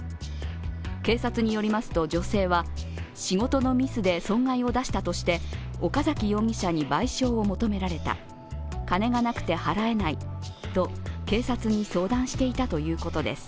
警察によりますと女性は、仕事のミスで損害を出したとして、岡崎容疑者に賠償を求められた、金がなくて払えないと警察に相談していたということです。